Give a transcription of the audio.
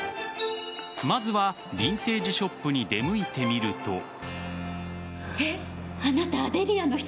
まずはビンテージショップに出向いてみると。